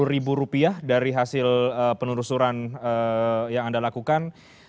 dua ratus lima puluh ribu rupiah dari hasil penerusuran yang anda lakukan